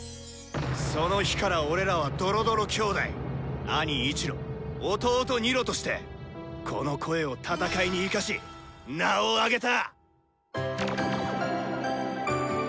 その日から俺らは「ドロドロ兄弟」「兄イチロ・弟ニロ」としてこの声を戦いに生かし名をあげた！